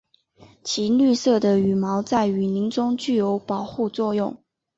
其绿色的羽毛在雨林中具有保护作用。